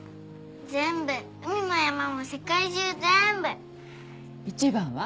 全部海も山も世界一番は？